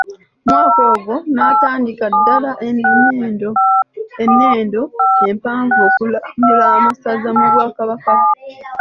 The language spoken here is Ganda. Mu mwaka ogwo n'atandikira ddala ennendo empanvu okulambula amasaza mu Bwakabaka bwe.